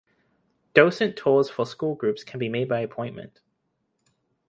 Docent tours for school groups can be made by appointment.